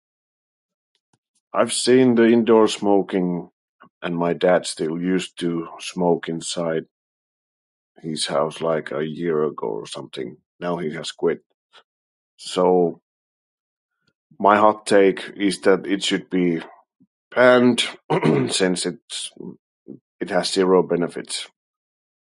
I've seen the indoor smoking, and my dad still used to smoke inside his house, like, a year ago or something. Now he has quit. So, my hot take is that it should be banned, since it's... it has zero benefits.